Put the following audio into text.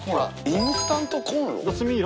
インスタントコンロ？